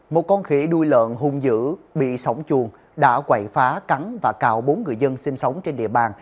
một con khỉ đuôi lợn hung dữ bị sóng chuồng đã quẩy phá cắn và cào bốn người dân sinh sống trên địa bàn